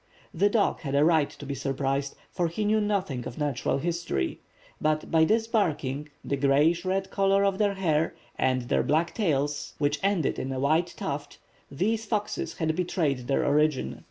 The dog had a right to be surprised, for he knew nothing of natural history; but by this barking, the greyish red color of their hair, and their black tails, which ended in a white tuft, these foxes had betrayed their origin.